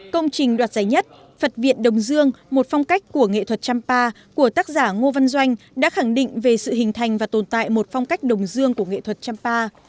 công trình đoạt giải nhất phật viện đồng dương một phong cách của nghệ thuật champa của tác giả ngô văn doanh đã khẳng định về sự hình thành và tồn tại một phong cách đồng dương của nghệ thuật champa